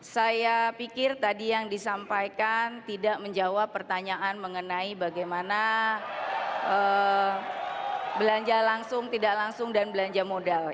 saya pikir tadi yang disampaikan tidak menjawab pertanyaan mengenai bagaimana belanja langsung tidak langsung dan belanja modal